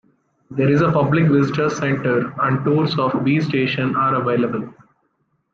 There is a public visitors centre and tours of 'B' station are available.